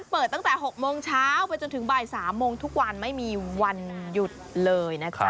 เปิดตั้งแต่๖โมงเช้าไปจนถึงบ่าย๓โมงทุกวันไม่มีวันหยุดเลยนะจ๊ะ